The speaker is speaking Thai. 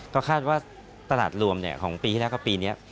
ก็คาดว่าตลาดรวมของปีที่แล้วก็ปีนี้